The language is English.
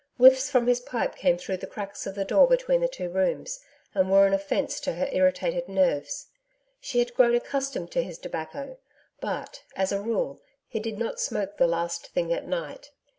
Whiffs from his pipe came through the cracks of the door between the two rooms, and were an offence to her irritated nerves. She had grown accustomed to his tobacco, but, as a rule, he did not smoke the last thing at night.